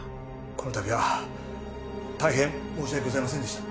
この度は大変申し訳ございませんでした。